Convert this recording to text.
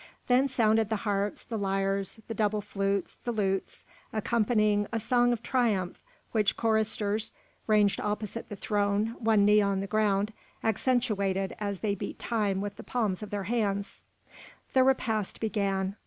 Then sounded the harps, the lyres, the double flutes, the lutes, accompanying a song of triumph which choristers, ranged opposite the throne, one knee on the ground, accentuated as they beat time with the palms of their hands. The repast began.